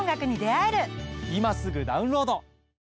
今すぐダウンロード！